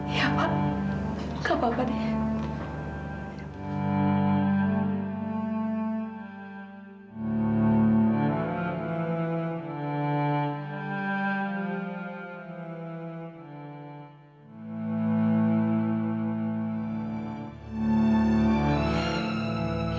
ya pak nggak apa apa deh